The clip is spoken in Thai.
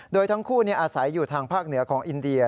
โดยทั้งคู่อาศัยอยู่ทางภาคเหนือของอินเดีย